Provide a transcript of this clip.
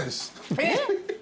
えっ？